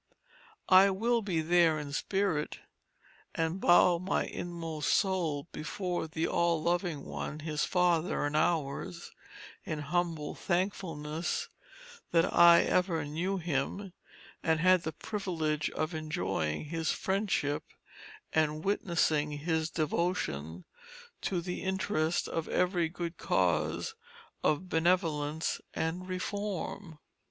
I will be there in spirit, and bow my inmost soul before the All Loving One, his Father and ours, in humble thankfulness, that I ever knew him, and had the privilege of enjoying his friendship and witnessing his devotion, to the interest of every good cause of benevolence and Reform.